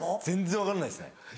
全然分かんないですね。